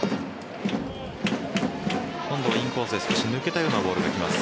今度はインコースで少し抜けたようなボールがきます。